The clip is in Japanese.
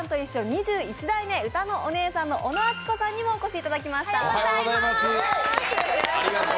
２１代目うたのおねえさんの小野あつこさんにもお越しいただきました。